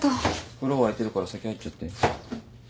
風呂沸いてるから先入っちゃって。